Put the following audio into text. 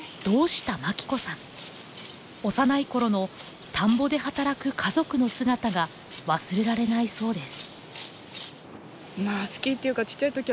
幼い頃の田んぼで働く家族の姿が忘れられないそうです。